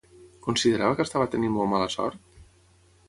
Considerava que estava tenint molt mala sort?